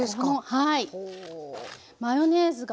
はい。